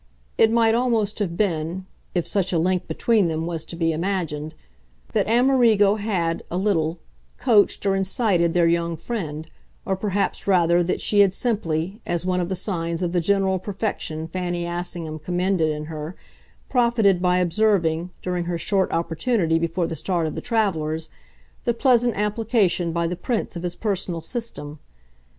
It might almost have been if such a link between them was to be imagined that Amerigo had, a little, "coached" or incited their young friend, or perhaps rather that she had simply, as one of the signs of the general perfection Fanny Assingham commended in her, profited by observing, during her short opportunity before the start of the travellers, the pleasant application by the Prince of his personal system.